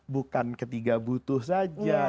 bukan ketiga butuh saja